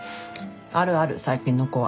あるある最近の子は。